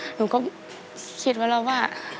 หนูก็คิดไว้แล้วว่า